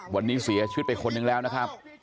วันนี้เสียชื่อเป็คลุณหนึ่งแล้วนะครับ